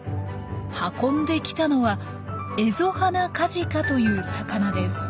運んできたのはエゾハナカジカという魚です。